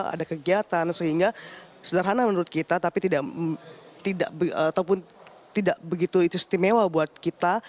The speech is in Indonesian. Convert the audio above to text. ada kegiatan sehingga sederhana menurut kita tapi tidak begitu istimewa buat kita